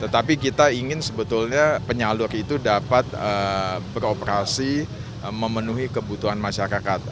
tetapi kita ingin sebetulnya penyalur itu dapat beroperasi memenuhi kebutuhan masyarakat